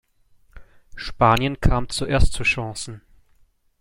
Spanien kam zuerst zu Chancen.